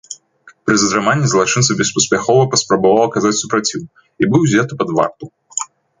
Пры затрыманні злачынца беспаспяхова паспрабаваў аказаць супраціў і быў узяты пад варту.